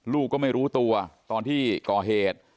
ลูกก็ไม่รู้ตัวตอนที่ก่อเหตุ